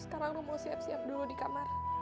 sekarang lo mau siap siap dulu di kamar